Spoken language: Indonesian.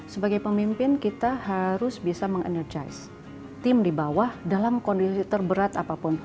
sebagai pemimpin kita harus bisa mengenergis tim di bawah dalam kondisi terberat apapun